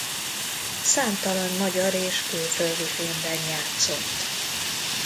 Számtalan magyar és külföldi filmben játszott.